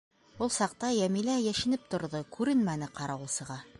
Ул саҡта Йәмилә йәшенеп торҙо, күренмәне ҡарауылсыға.